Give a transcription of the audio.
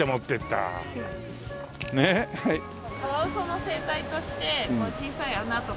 カワウソの生態としてこう小さい穴とか隙間とか。